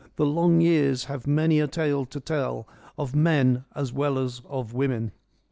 The long years have many a tale to tell, of men as well as of women.'